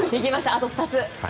あと２つ。